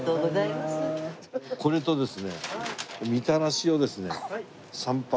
これとですね